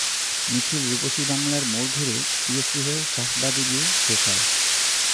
মিছিল রূপসী বাংলার মোড় ঘুরে, টিএসসি হয়ে শাহবাগে গিয়ে শেষ হয়।